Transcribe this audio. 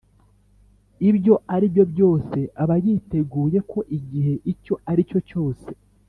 ibyo aribyo byose aba yiteguye ko igihe icyo ari cyo cyose